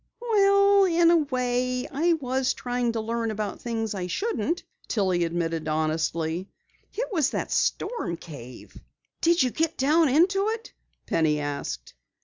"Well, in a way, I was trying to learn about things I shouldn't," Tillie admitted honestly. "It was that storm cave." "Did you get down into it?" Penny asked.